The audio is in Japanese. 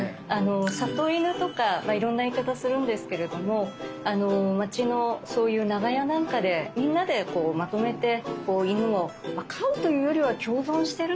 里犬とかいろんな言い方するんですけれども町のそういう長屋なんかでみんなでこうまとめて犬を飼うというよりは共存してるといったような。